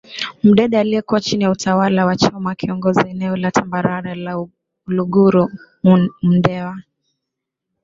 Mdede aliyekuwa chini ya utawala wa Choma akiongoza eneo la tambarare la Uluguru Mndewa